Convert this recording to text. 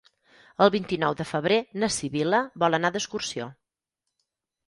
El vint-i-nou de febrer na Sibil·la vol anar d'excursió.